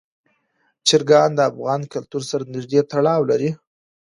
چرګان د افغان کلتور سره نږدې تړاو لري.